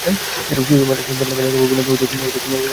শিশুশ্রমের একটি প্রধান কারণ ও পরিণতি হচ্ছে, অধিক হারে শিক্ষার অভাব।